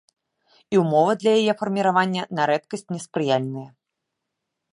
І ўмовы для яе фарміравання на рэдкасць неспрыяльныя.